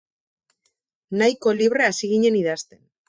Nahiko libre hasi ginen idazten.